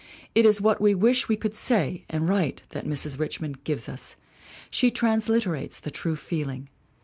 It is what we wish we could say and write that Mrs. Richmond gives us. She transliterates the true feeling.